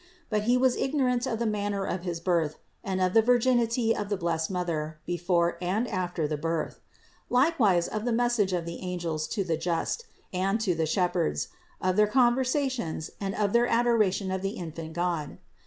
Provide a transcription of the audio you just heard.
But he was ignorant of the manner of his Birth, and of the virginity of the blessed Mother before and after the Birth; likewise of the message of the angels to the just, and to the shepherds; of their conversations, and of their adora tion of the infant God.